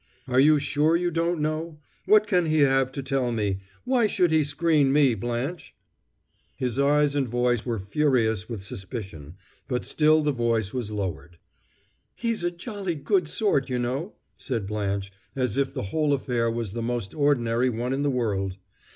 "Are you sure you don't know? What can he have to tell me? Why should he screen me, Blanche?" His eyes and voice were furious with suspicion, but still the voice was lowered. "He's a jolly good sort, you know," said Blanche, as if the whole affair was the most ordinary one in the world.